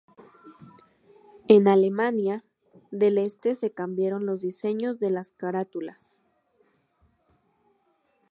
En Alemania del Este se cambiaron los diseños de las carátulas.